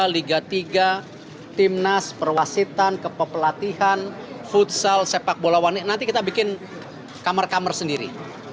liga tiga timnas perwasitan kepelatihan futsal sepak bola wanita nanti kita bikin kamar kamar sendiri